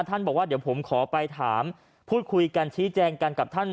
บอกว่าเดี๋ยวผมขอไปถามพูดคุยกันชี้แจงกันกับท่าน